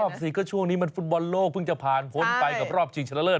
๔ก็ช่วงนี้มันฟุตบอลโลกเพิ่งจะผ่านพ้นไปกับรอบชิงชนะเลิศ